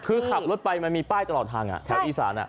คือขับรถไปมันมีป้ายตลอดทางแถวอีสาน